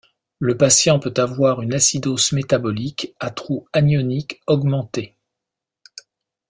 Le patient peut avoir une acidose métabolique à trou anionique augmenté.